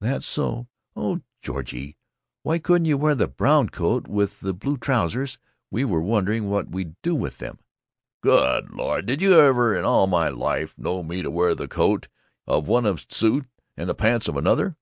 "That's so. Oh, Georgie, why couldn't you wear the brown coat with the blue trousers we were wondering what we'd do with them?" "Good Lord! Did you ever in all my life know me to wear the coat of one suit and the pants of another?